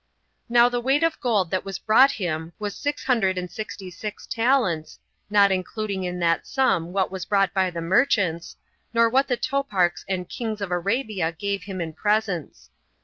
2. Now the weight of gold that was brought him was six hundred and sixty six talents, not including in that sum what was brought by the merchants, nor what the toparchs and kings of Arabia gave him in presents.